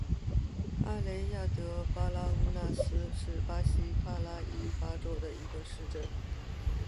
阿雷亚德巴拉乌纳斯是巴西帕拉伊巴州的一个市镇。